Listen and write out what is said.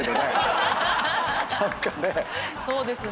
そうですね。